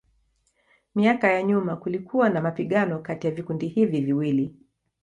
Miaka ya nyuma kulikuwa na mapigano kati ya vikundi hivi viwili.